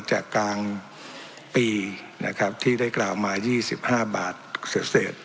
จากกลางปีนะครับที่ได้กล่าวมายี่สิบห้าบาทเสร็จเสร็จ